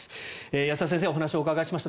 安田先生にお話をお伺いしました。